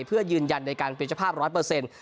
เพื่อยืนยันในการเป็นเจ้าภาพร้อยเปอร์เซ็นต์